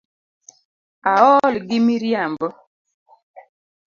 Aol gi miriambo .